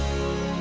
sampai jumpa lagi